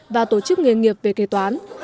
và tổ chức nghề nghiệp về kế toán